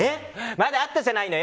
まだあったじゃないの。